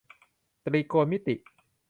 ตรีโกณมิติ